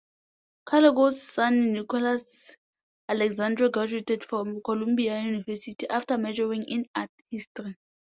Kalikow's son Nicholas Alexander graduated from Columbia University, after majoring in art history.